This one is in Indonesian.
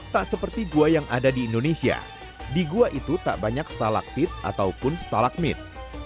tak seperti gua yang ada di indonesia di gua itu tak banyak stalaktit ataupun stalakmit